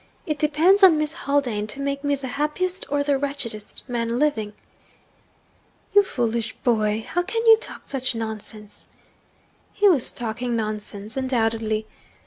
It depends on Miss Haldane to make me the happiest or the wretchedest man living.' 'You foolish boy! How can you talk such nonsense?' He was talking nonsense undoubtedly.